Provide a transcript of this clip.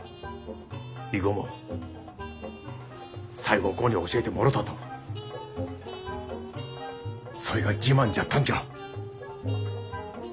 囲碁も西郷公に教えてもろたとそいが自慢じゃったんじゃ。